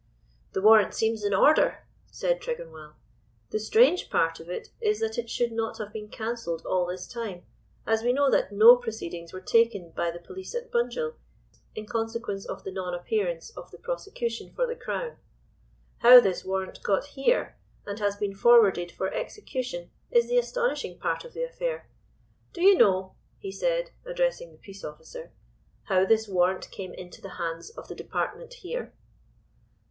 "The warrant seems in order," said Tregonwell. "The strange part of it is that it should not have been cancelled all this time, as we know that no proceedings were taken by the police at Bunjil in consequence of the non appearance of the prosecution for the Crown. How this warrant got here and has been forwarded for execution is the astonishing part of the affair. Do you know," he said, addressing the peace officer, "how this warrant came into the hands of the Department here?"